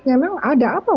memang ada apa